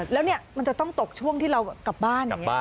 แล้วมันจะต้องตกช่วงที่เรากลับบ้าน